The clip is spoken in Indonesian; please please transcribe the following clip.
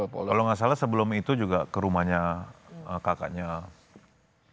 kalau nggak salah sebelum itu juga ke rumahnya kakaknya pak